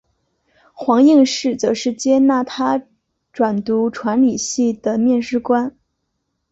黄应士则是接纳他转读传理系的面试官。